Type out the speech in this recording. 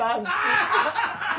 アハハハ！